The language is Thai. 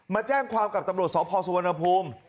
มาแจ้งความกับตำรวจสพสุวรรณภูมิ